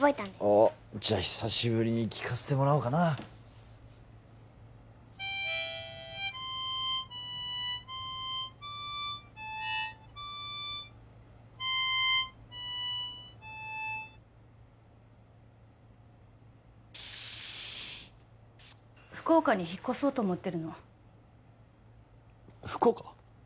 おっじゃ久しぶりに聴かせてもらおうかな福岡に引っ越そうと思ってるの福岡？